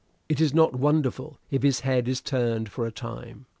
It is not wonderful if his head is turned for a time.